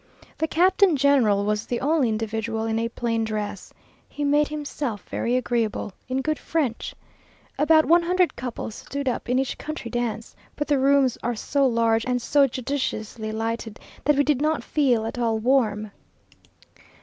The Captain General was the only individual in a plain dress. He made himself very agreeable, in good French. About one hundred couple stood up in each country dance, but the rooms are so large and so judiciously lighted, that we did not feel at all warm.